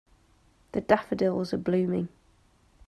The daffodils are blooming.